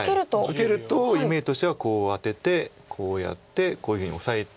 受けるとイメージとしてはこうアテてこうやってこういうふうにオサえて。